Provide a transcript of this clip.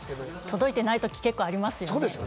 届いてないとき、結構ありますよね。